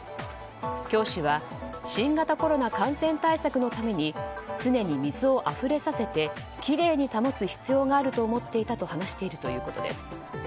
教師は新型コロナ感染対策のために常に水をあふれさせてきれいに保つ必要があると思っていたと話しているということです。